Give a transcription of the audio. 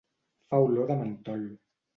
Fa olor de mentol.